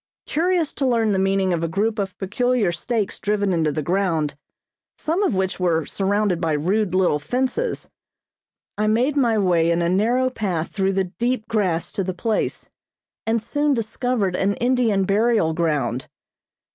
Curious to learn the meaning of a group of peculiar stakes driven into the ground, some of which were surrounded by rude little fences, I made my way in a narrow path through the deep grass to the place, and soon discovered an Indian burial ground.